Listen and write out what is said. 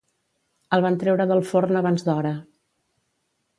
El van treure del forn abans d'hora.